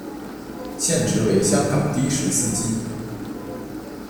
现职为香港的士司机。